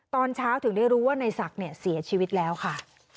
ตอนเช้าถึงได้รู้ว่าในศักดิ์เนี่ยเสียชีวิตแล้วค่ะ